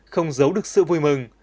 không giấu được sự vui mừng